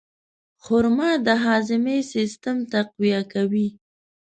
خرما د هاضمې سیستم تقویه کوي.